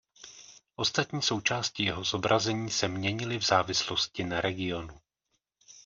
Ostatní součásti jeho zobrazení se měnily v závislosti na regionu.